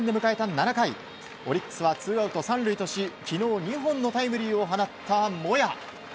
７回オリックスはツーアウト３塁とし昨日２本のタイムリーを放ったモヤ。